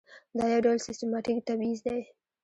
دا یو ډول سیستماتیک تبعیض دی.